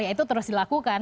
ya itu terus dilakukan